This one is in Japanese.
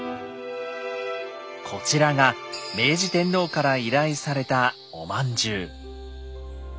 こちらが明治天皇から依頼されたおまんじゅう。